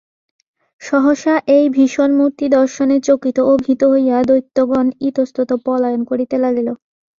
সহসা এই ভীষণ মূর্তি দর্শনে চকিত ও ভীত হইয়া দৈত্যগণ ইতস্তত পলায়ন করিতে লাগিল।